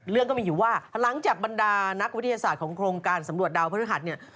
ก็มีอยู่ว่าหลังจากบรรดานักวิทยาศาสตร์ของโครงการสำรวจดาวพระฤหัสเนี่ย